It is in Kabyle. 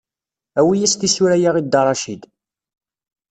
Awi-yas tisura-ya i Dda Racid.